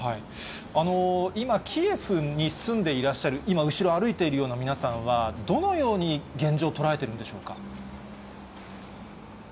今、キエフに住んでいらっしゃる、今、後ろ、歩いているような皆さんはどのように現状、捉えてるんでしょうか。